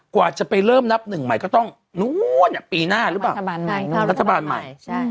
กว่าจะไปเริ่มนับหนึ่งใหม่ก็ต้องนู้นปีหน้าหรือเปล่ารัฐบาลใหม่